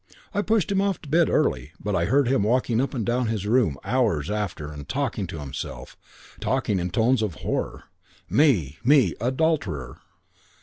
I pushed him off to bed early, but I heard him walking up and down his room hours after and talking to himself talking in tones of horror 'Me! Me! Adulterer!'